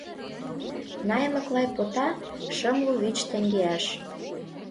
Наймык-лай пота шымлу вич теҥгеаш